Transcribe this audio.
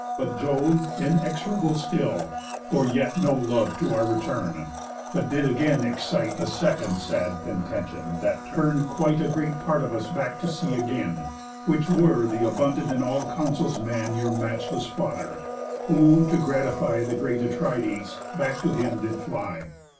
But Jove, Inexorable still, bore yet no love To our return, but did again excite A second sad contention, that turn'd quite A great part of us back to sea again; Which were th' abundant in all counsels man, Your matchless father, who, to gratify The great Atrides, back to him did fly.